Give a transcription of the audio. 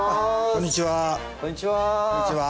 こんにちは。